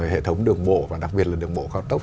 hệ thống đường bộ và đặc biệt là đường bộ cao tốc